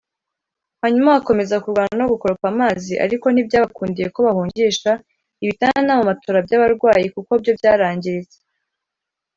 hanyuma bakomeza kurwana no gukoropa amazi ariko ntibyabakundiye ko bahungisha ibitanda n’amamatora by’abarwayi kuko byo byarangiritse